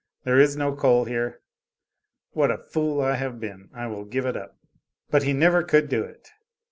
There is no coal here. What a fool I have been; I will give it up." But he never could do it.